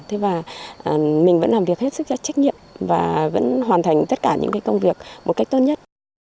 thế và mình vẫn làm việc hết sức là trách nhiệm và vẫn hoàn thành tất cả những cái công việc một cách tốt nhất